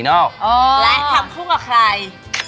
แล้วทำคู่กับใคร